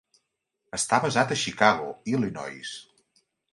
Està basat a Chicago, Illinois.